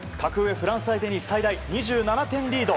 フランス相手に最大２７点リード。